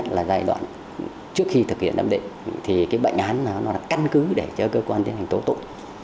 thì cái bệnh án nó là căn cứ để cho cơ quan tiến hành tố tụng